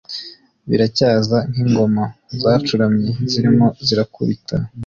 biracyaza, nkingoma zacuramye, zirimo zirakubita